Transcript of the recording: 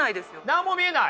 何も見えない？